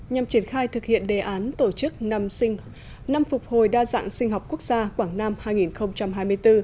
nhằm triển khai thực hiện đề án tổ chức năm phục hồi đa dạng sinh học quốc gia quảng nam hai nghìn hai mươi bốn